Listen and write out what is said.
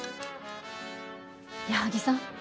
矢作さん